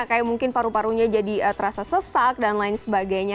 kayak mungkin paru parunya jadi terasa sesak dan lain sebagainya